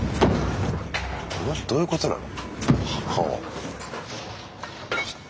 どういうことなの？